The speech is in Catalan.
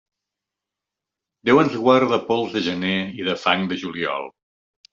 Déu ens guard de pols de gener i de fang de juliol.